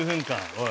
おい。